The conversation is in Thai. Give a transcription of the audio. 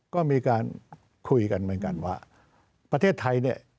ก็มีการคุยกันเหมือนกันว่าประเทศไทยเนี่ย